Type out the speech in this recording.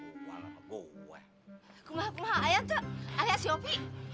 kuma kuma ayah tuh ayah si opi